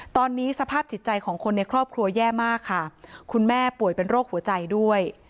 ตอนนี้สภาพจิตใจของคนในครอบครัวแย่มากค่ะคุณแม่ป่วยเป็นโรคหัวใจด้วย